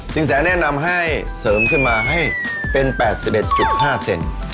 สินแสแนะนำให้เสริมขึ้นมาให้เป็น๘๑๕เซน